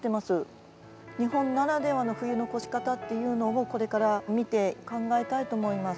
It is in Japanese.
日本ならではの冬の越し方っていうのをこれから見て考えたいと思います。